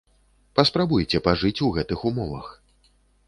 Паспрабуйце пажыць у гэтых умовах.